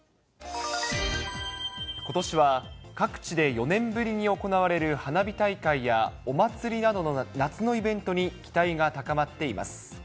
ことしは、各地で４年ぶりに行われる花火大会や、お祭りなどの夏のイベントに期待が高まっています。